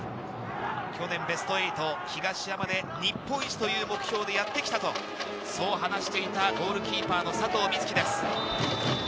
去年ベスト８、東山で日本一という目標でやってきた、そう話していたゴールキーパーの佐藤瑞起です。